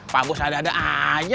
pak bos ada ada aja